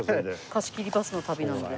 貸し切りバスの旅なので。